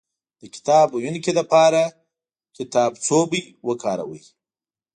د کتاب ويونکي لپاره کتابڅوبی وکاروئ